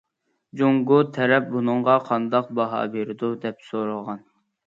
جۇڭگو تەرەپ بۇنىڭغا قانداق باھا بېرىدۇ؟ دەپ سورىغان.